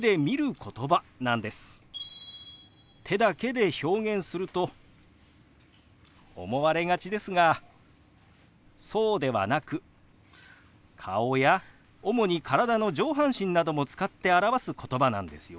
手だけで表現すると思われがちですがそうではなく顔や主に体の上半身なども使って表すことばなんですよ。